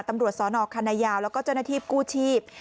ตำรวจสนคณะยาวแล้วก็เจ้าหน้าที่กู้ชีพ